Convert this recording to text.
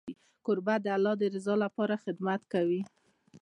کوربه د الله د رضا لپاره خدمت کوي.